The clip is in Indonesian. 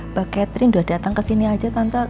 mbak ketrin udah datang kesini aja tante